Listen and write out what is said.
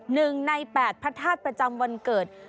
หนึ่งในแปดพระธาตุประจำวันเกิด